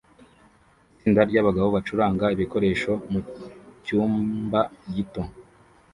Itsinda ryabagabo bacuranga ibikoresho mucyumba gito